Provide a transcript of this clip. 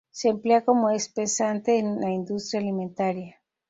Se emplea como espesante en la industria alimentaria.